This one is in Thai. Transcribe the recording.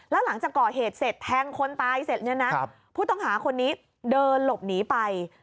แล้วหลังจากก่อเหตุเสร็จแทงคนตายเสร็จเนี่ยนะผู้ต้องหาคนนี้เดินหลบหนีไป